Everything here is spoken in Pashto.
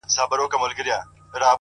• ګنهكاره سوه سورنا, ږغ د ډولونو,